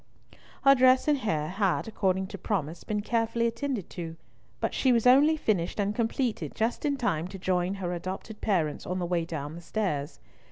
Her dress and hair had, according to promise, been carefully attended to, but she was only finished and completed just in time to join her adopted parents on the way down the stairs.